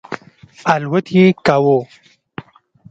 الوت یې کاوه.